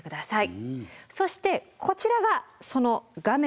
そしてこちらがその画面です。